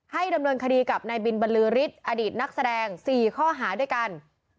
ดำเนินคดีกับนายบินบรรลือฤทธิ์อดีตนักแสดง๔ข้อหาด้วยกัน